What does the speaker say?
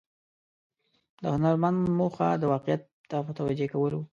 د هنرمند موخه د واقعیت ته متوجه کول و.